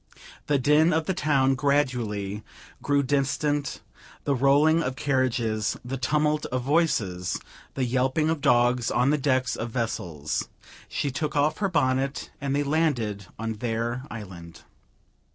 The din of the town gradually grew distant; the rolling of carriages, the tumult of voices, the yelping of dogs on the decks of vessels. She took off her bonnet, and they landed on their island.